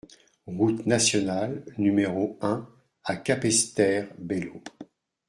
Route Nationale N° un à Capesterre-Belle-Eau